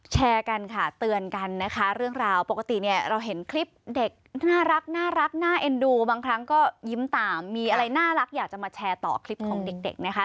แชร์กันค่ะเตือนกันนะคะเรื่องราวปกติเนี่ยเราเห็นคลิปเด็กน่ารักน่าเอ็นดูบางครั้งก็ยิ้มตามมีอะไรน่ารักอยากจะมาแชร์ต่อคลิปของเด็กนะคะ